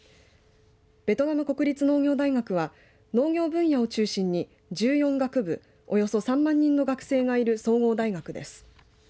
ベトナム国立農業大学は農業分野を中心に１４学部およそ３万人の学生がいる総合大学です。